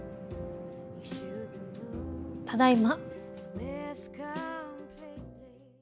ただいま。